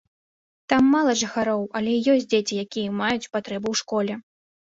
Там мала жыхароў, але ёсць дзеці, якія маюць патрэбу ў школе.